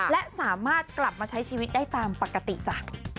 และสามารถกลับมาใช้ชีวิตได้ตามปกติจ้ะ